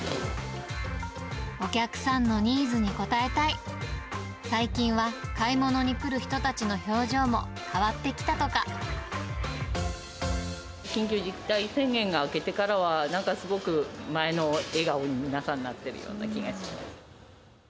お客さんのニーズに応えたい、最近は買い物に来る人たちの表情緊急事態宣言が明けてからは、なんかすごく前の笑顔に、皆さん、なっているような気がします。